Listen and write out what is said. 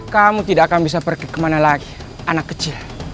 kamu tidak akan bisa pergi kemana lagi anak kecil